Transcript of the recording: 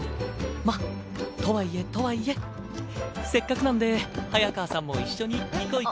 まっとはいえとはいえせっかくなんで早川さんも一緒に行こ行こ。